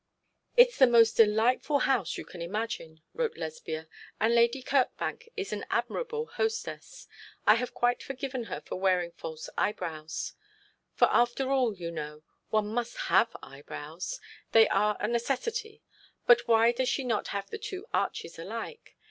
'It is the most delightful house you can imagine,' wrote Lesbia; 'and Lady Kirkbank is an admirable hostess. I have quite forgiven her for wearing false eyebrows; for after all, you know, one must have eyebrows; they are a necessity; but why does she not have the two arches alike?